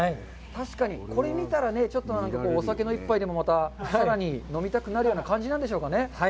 確かにこれ見たらね、ちょっとお酒の１杯でもまたさらに飲みたくなるような感じなんですかね。